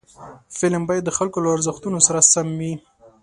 فلم باید د خلکو له ارزښتونو سره سم وي